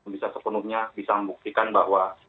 bisa sepenuhnya bisa membuktikan bahwa